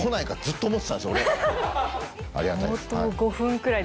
ありがたいですはい。